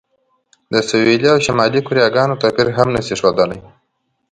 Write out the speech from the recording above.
د سویلي او شمالي کوریاګانو توپیر هم نه شي ښودلی.